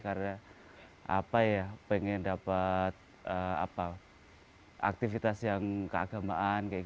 karena pengen dapat aktivitas yang keagamaan